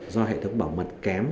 do hệ thống bảo mật kém